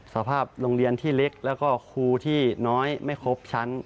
สภาพโรงเรียนที่เล็กแล้วก็ครูที่น้อยไม่ครบชั้น